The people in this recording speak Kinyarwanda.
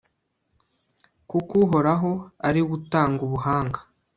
kuko uhoraho ari we utanga ubuhanga